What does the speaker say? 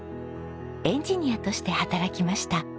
エンジニアとして働きました。